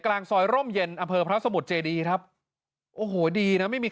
กลางซอยร่มเย็นอำเภอพระสมุทรเจดีครับโอ้โหดีนะไม่มี